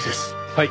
はい。